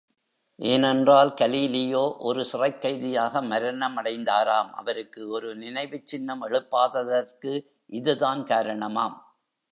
ஏனென்றால், கலீலியோ ஒரு சிறைக் கைதியாக மரணமடைந்தாராம் அவருக்கு ஒரு நினைவுச் சின்னம் எழுப்பாததற்கு இது தான் காரணமாம்!